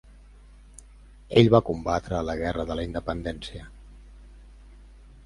Ell va combatre a la Guerra de la Independència.